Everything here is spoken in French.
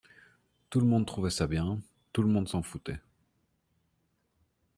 tout le monde trouvait ça bien, tout le monde s’en foutait.